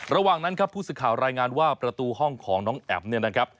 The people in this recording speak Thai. ระหว่างนั้นครับผู้สื่อข่าวรายงานว่าประตูห้องของน้องแอ๋มเนี่ยนะครับ